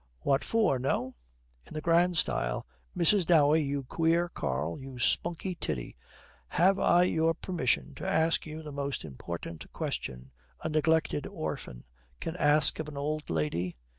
'What for no?' In the grand style, 'Mrs. Dowey, you queer carl, you spunky tiddy, have I your permission to ask you the most important question a neglected orphan can ask of an old lady?'